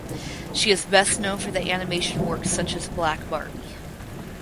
She is best known for the animation works such as "Black Barbie".